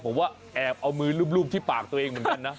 ผมว่าแอบเอามือรูปที่ปากตัวเองเหมือนกันนะ